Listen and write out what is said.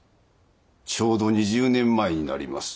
ちょうど２０年前になります。